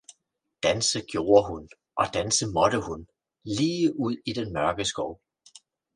Danse gjorde hun og danse måtte hun, lige ud i den mørke skov.